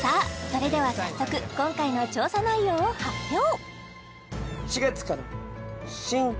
それでは早速今回の調査内容を発表